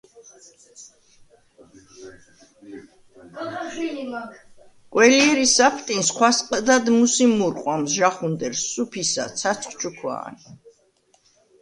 ყველჲერი საფტინს ხვასყჷდად მუსი მუ̄რყვამს ჟაჴუნდერს, სუფისა, ცაცხვ ჩუქვა̄ნ.